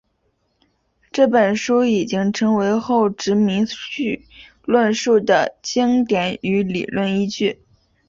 这本书已经成为后殖民论述的经典与理论依据。